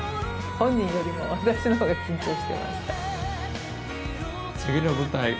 本人よりも私の方が緊張してました。